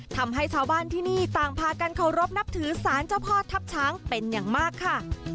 ทำให้ชาวบ้านที่นี่ต่างพากันเคารพนับถือสารเจ้าพ่อทัพช้างเป็นอย่างมากค่ะ